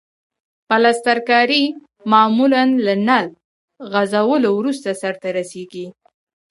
پلسترکاري معمولاً له نل غځولو وروسته سرته رسیږي.